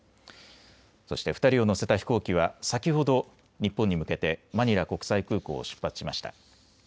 そして２人を乗せた飛行機は先ほど日本に向けてマニラ国際空港を出発しました。